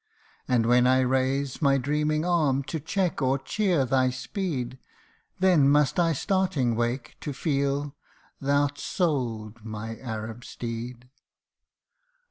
271 And when I raise my dreaming arm to check or cheer thy speed, Then must I starting wake, to feel thou'rt sold, my Arab steed